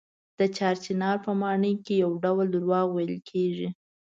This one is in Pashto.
د چار چنار په ماڼۍ کې یو ډول درواغ ویل کېږي.